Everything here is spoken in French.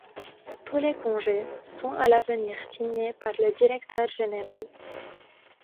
Tous les congés sont à l'avenir signé par le Directeur Général.